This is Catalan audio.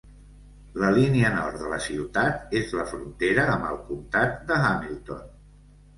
La línia nord de la ciutat és la frontera amb el comtat de Hamilton.